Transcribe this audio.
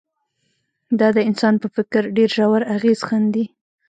دا د انسان په فکر ډېر ژور اغېز ښندي